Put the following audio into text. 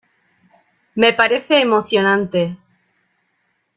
me parece emocionante